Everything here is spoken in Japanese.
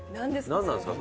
なんなんですか？